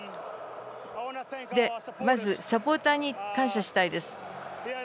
まず、サポーターに感謝したいです。